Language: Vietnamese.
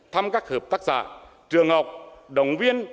thăm các hợp tác giả trường học đồng viên